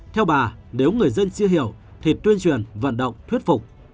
theo bà nếu người dân chưa hiểu thì tuyên truyền vận động thuyết phục